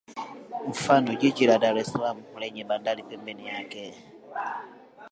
Mfano jiji la Dar es salaam lenye bandari pembeni yake